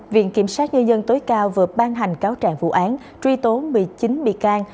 viện kiểm sát nhân dân tối cao vừa ban hành cáo trạng vụ án truy tố một mươi chín bị can